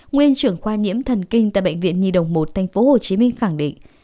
nguyên trưởng khoa nhiễm thần kinh tại bệnh viện nhi đồng một tp hcm khẳng định